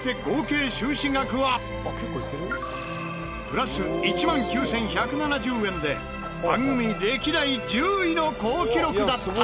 プラス１万９１７０円で番組歴代１０位の好記録だった。